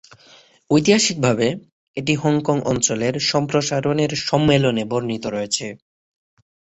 ঐতিহাসিকভাবে, এটি হংকং অঞ্চলের সম্প্রসারণের সম্মেলনে বর্ণিত রয়েছে।